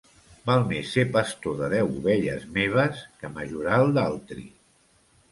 Val més ser pastor de deu ovelles meves que majoral d'altri.